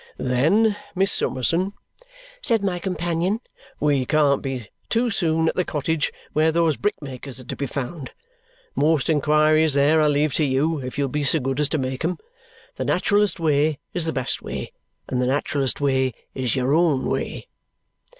"Then, Miss Summerson," said my companion, "we can't be too soon at the cottage where those brickmakers are to be found. Most inquiries there I leave to you, if you'll be so good as to make 'em. The naturalest way is the best way, and the naturalest way is your own way."